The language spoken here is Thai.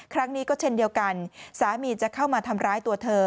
ครั้งนี้ก็เช่นเดียวกันสามีจะเข้ามาทำร้ายตัวเธอ